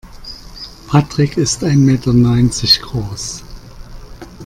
Patrick ist ein Meter neunzig groß.